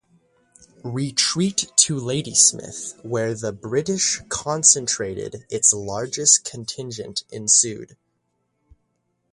Retreat to Ladysmith, where the British concentrated its largest contingent, ensued.